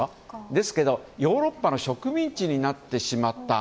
ですけど、ヨーロッパの植民地になってしまった。